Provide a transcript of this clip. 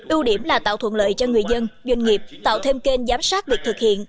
ưu điểm là tạo thuận lợi cho người dân doanh nghiệp tạo thêm kênh giám sát việc thực hiện